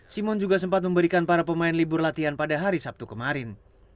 simon juga sempat memberikan para pemain libur latihan pada hari sabtu kemarin